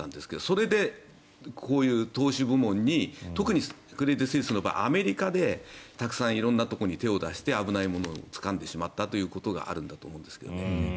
それで、こういう投資部門に特にクレディ・スイスの場合アメリカで、たくさん色んなところに手を出して危ないものをつかんでしまったということがあるんだと思うんですけどね。